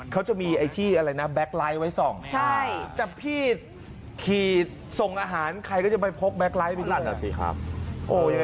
เขาจะมีที่แบ็คไลท์ไว้ส่องแต่พี่ที่ส่งอาหารใครก็จะไปพกแบ็คไลท์ไว้ด้วย